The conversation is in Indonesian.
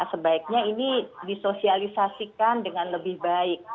sebaiknya ini disosialisasikan dengan lebih baik